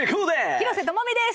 廣瀬智美です。